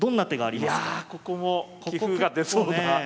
いやここも棋風が出そうな。